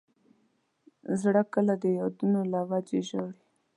زړه کله د یادونو له وجې ژاړي.